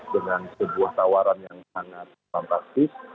dengan sebuah tawaran yang sangat fantastis